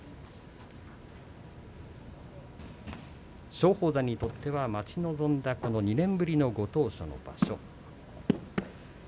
松鳳山にとっては待ち望んだ、ご当所の場所。